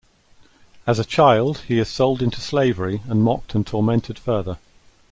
As a child, he is sold into slavery and mocked and tormented further.